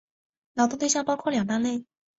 劳动对象包括两大类。